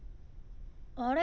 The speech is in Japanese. あれ？